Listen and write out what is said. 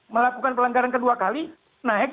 melakukan pelanggaran kedua kali naik